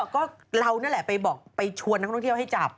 ก็เรานั่นแหละไปบอกไปชวนนักท่องเที่ยวให้จับ